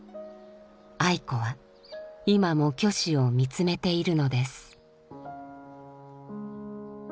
愛子は今も虚子を見つめているのです。